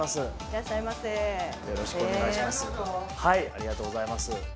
ありがとうございます。